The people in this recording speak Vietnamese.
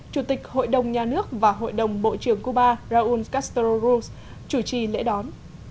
chủ tịch hội đồng nhà nước và hội đồng bộ trưởng cuba raúl castro ruz chủ trì lễ đón